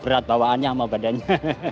berat bawaannya sama badannya